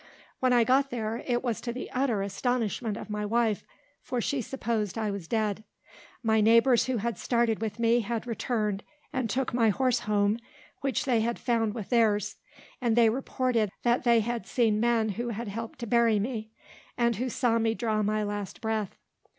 When I got there, it was to the utter astonishment of my wife; for she supposed I was dead. My neighbours who had started with me had returned and took my horse home, which they had found with their's; and they reported that they had seen men who had helped to bury me; and who saw me draw my last breath.